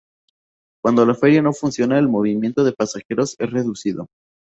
Cuando la feria no funciona el movimiento de pasajeros es reducido.